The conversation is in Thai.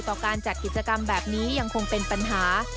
การจัดกิจกรรมแบบนี้ยังคงเป็นปัญหา